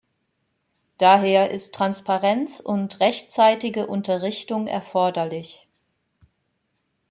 Daher ist Transparenz und rechtzeitige Unterrichtung erforderlich.